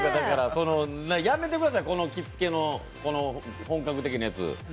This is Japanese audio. やめてください、この着付けの本格的なやつ。